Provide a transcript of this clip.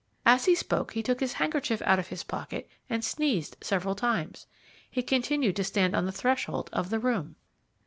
As he spoke he took his handkerchief out of his pocket, and sneezed several times. He continued to stand on the threshold of the room.